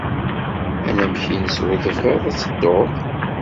Anamek-nnes ur tebɣiḍ ad tedduḍ?